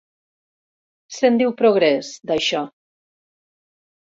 Se'n diu progrés, d'això.